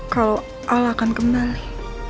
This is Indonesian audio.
kalau al akan kembali